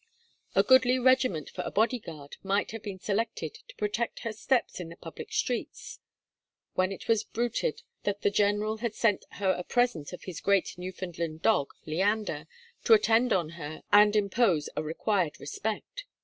A goodly regiment for a bodyguard might have been selected to protect her steps in the public streets; when it was bruited that the General had sent her a present of his great Newfoundland dog, Leander, to attend on her and impose a required respect.